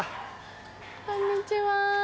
こんにちは。